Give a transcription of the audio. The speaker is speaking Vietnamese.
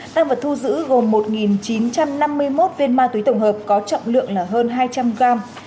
tăng vật thu giữ gồm một chín trăm năm mươi một viên ma túy tổng hợp có trọng lượng là hơn hai trăm linh gram